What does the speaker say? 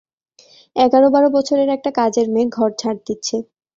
এগার-বার বছরের একটা কাজের মেয়ে ঘর ঝাঁট দিচ্ছে।